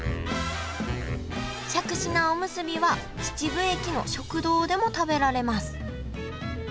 しゃくし菜おむすびは秩父駅の食堂でも食べられます